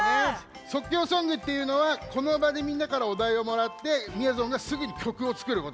そっきょうソングっていうのはこのばでみんなからおだいをもらってみやぞんがすぐにきょくをつくることだからね。